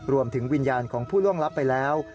วิญญาณของผู้ล่วงลับไปแล้ว